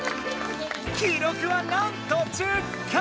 記録はなんと１０回！